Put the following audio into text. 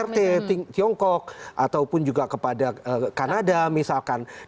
rt tiongkok ataupun juga kepada kanada misalkan